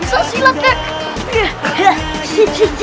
bisa sih lo kek